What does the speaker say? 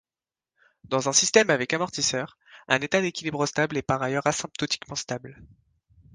Dans un système avec amortisseur, un état d'équilibre stable est par ailleurs asymptotiquement stable.